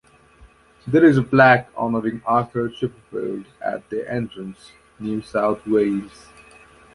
There is a plaque honouring Arthur Chipperfield at The Entrance, New South Wales.